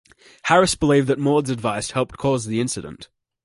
Harris believed that Maude's advice helped cause the incident.